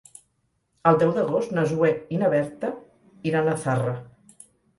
El deu d'agost na Zoè i na Berta iran a Zarra.